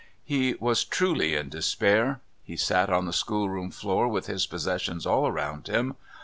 He was truly in despair. He sat on the schoolroom floor with his possessions all around him.